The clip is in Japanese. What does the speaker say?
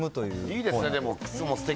いいですね、でも。